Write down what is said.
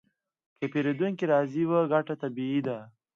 که پیرودونکی راضي وي، ګټه طبیعي ده.